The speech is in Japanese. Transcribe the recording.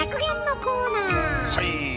はい。